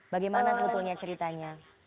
bagaimana sebetulnya ceritanya